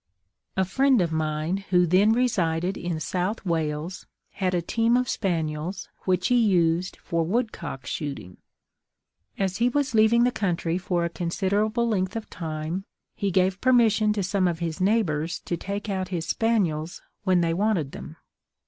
A friend of mine, who then resided in South Wales, had a team of spaniels, which he used for woodcock shooting. As he was leaving the country for a considerable length of time, he gave permission to some of his neighbours to take out his spaniels when they wanted them.